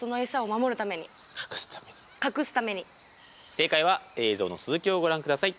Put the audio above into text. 正解は映像の続きをご覧ください。